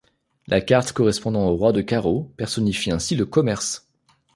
La carte correspondant au roi de carreau personnifie ainsi le commerce.